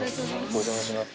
お邪魔します。